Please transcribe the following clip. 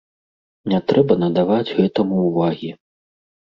Не трэба надаваць гэтаму ўвагі.